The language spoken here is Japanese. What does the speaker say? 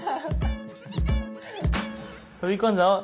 飛び込んじゃおう！